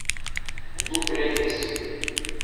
И дупеля есть.